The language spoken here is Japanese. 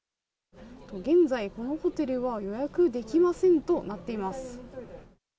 現在、このホテルは予約できませんとなっています。